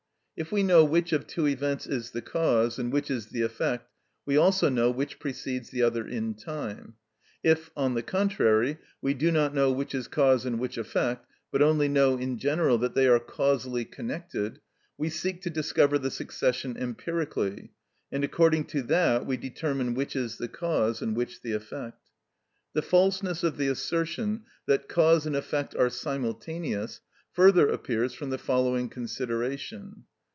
If we know which of two events is the cause and which is the effect, we also know which precedes the other in time; if, on the contrary, we do not know which is cause and which effect, but only know in general that they are causally connected, we seek to discover the succession empirically, and according to that we determine which is the cause and which the effect. The falseness of the assertion that cause and effect are simultaneous further appears from the following consideration.